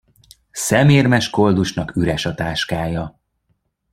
Szemérmes koldusnak üres a táskája.